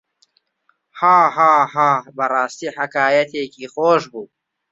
هاهاها بەڕاستی حەکایەتێکی خۆش بوو.